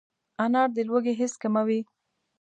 انار د لوږې حس کموي.